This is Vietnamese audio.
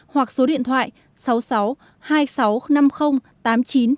hoặc số điện thoại sáu mươi sáu hai mươi sáu năm mươi tám mươi chín bảy mươi chín trong giờ hành chính